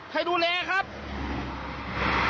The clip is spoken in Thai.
ใครดูแลครับ